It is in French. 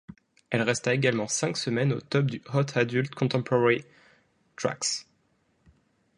Elle resta également cinq semaines au top du Hot Adult Contemporary Tracks.